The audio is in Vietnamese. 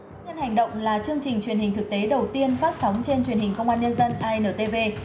nhân hành động là chương trình truyền hình thực tế đầu tiên phát sóng trên truyền hình công an nhân dân intv